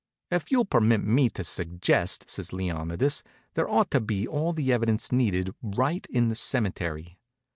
"If you'll permit me to suggest," says Leonidas, "there ought to be all the evidence needed right in the cemetery."